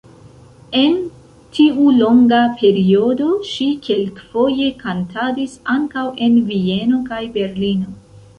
En tiu longa periodo ŝi kelkfoje kantadis ankaŭ en Vieno kaj Berlino.